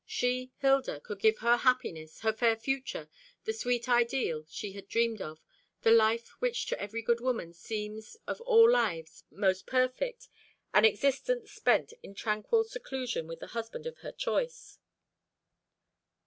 She (Hilda) could give her happiness, her fair future, the sweet ideal she had dreamed of, the life which to every good woman seems of all lives most perfect, an existence spent in tranquil seclusion with the husband of her choice.